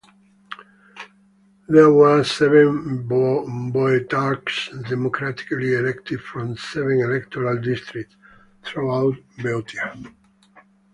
There were seven Boeotarchs, democratically elected from seven electoral districts throughout Boeotia.